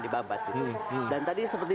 dibabat gitu dan tadi seperti